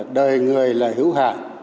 đời người là hữu hạ